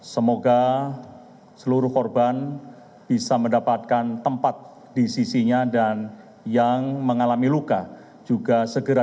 semoga seluruh korban bisa mendapatkan tempat di sisinya dan yang mengalami luka juga segera